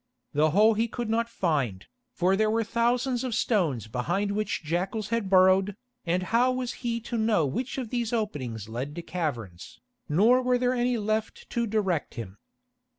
The hole he could not find, for there were thousands of stones behind which jackals had burrowed, and how was he to know which of these openings led to caverns, nor were there any left to direct him.